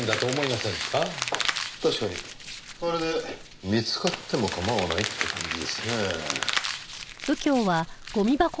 まるで見つかっても構わないって感じですね。